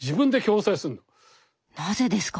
なぜですか？